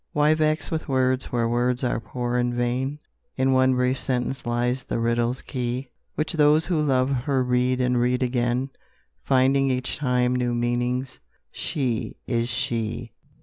Why vex with words where words are poor and vain? In one brief sentence lies the riddle's key, Which those who love her read and read again, Finding each time new meanings: SHE IS SHE!